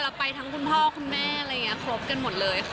ไปทั้งคุณพ่อคุณแม่อะไรอย่างนี้ครบกันหมดเลยค่ะ